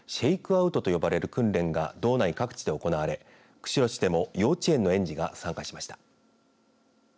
アウトと呼ばれる訓練が道内各地で行われ釧路市でも幼稚園の園児が参加しました。